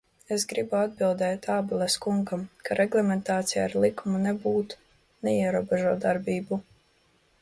Es gribu atbildēt Ābeles kungam, ka reglamentācija ar likumu nebūt neierobežo darbību.